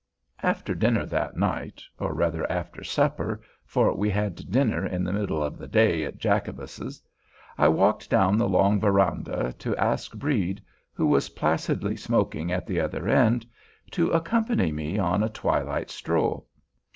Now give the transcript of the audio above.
After dinner that night—or rather, after supper, for we had dinner in the middle of the day at Jacobus's—I walked down the long verandah to ask Brede, who was placidly smoking at the other end, to accompany me on a twilight stroll.